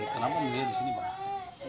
kenapa membeli di sini bang